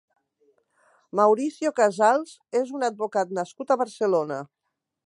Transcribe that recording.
Mauricio Casals és un advocat nascut a Barcelona.